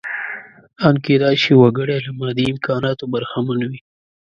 ان کېدای شي وګړی له مادي امکاناتو برخمن وي.